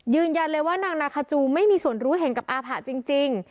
ยืนยันเลยว่านางนาคาจูไม่มีส่วนรู้เห็นกับอาผะจริง